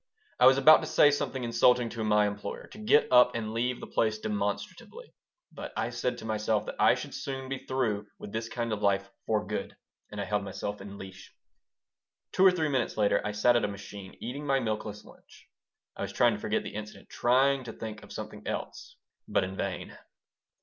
I was about to say something insulting to my employer, to get up and leave the place demonstratively. But I said to myself that I should soon be through with this kind of life for good, and I held myself in leash. Two or three minutes later I sat at a machine, eating my milkless lunch. I was trying to forget the incident, trying to think of something else, but in vain.